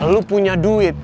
lo punya duit